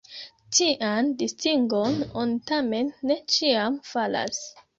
Tian distingon oni tamen ne ĉiam faras.